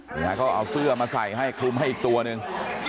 เขาก็เอาเสื้อมาใส่ให้คุมให้อีกตัวหนึ่ง